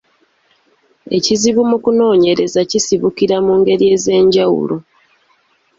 Ekizibu mu kunoonyereza kisibukira mu ngeri ez’enjawulo: